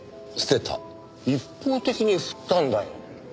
一方的に振ったんだよ。